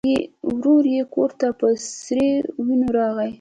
ورور یې کور ته په سرې وینو راغی.